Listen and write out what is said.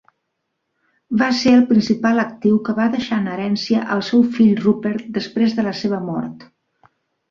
Va ser el principal actiu que va deixar en herència al seu fill Rupert després de la seva mort.